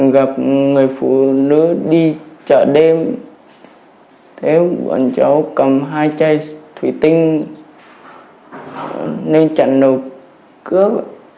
gặp người phụ nữ đi chợ đêm thế bọn cháu cầm hai chai thủy tinh lên chặn đầu cướp